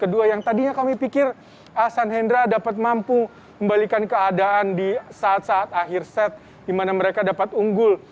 kedua pasangan yang terakhir ahsan hendra dapat mampu membalikan keadaan di saat saat akhir set dimana mereka dapat unggul